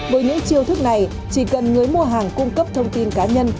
với những chiêu thức này chỉ cần người mua hàng cung cấp thông tin cá nhân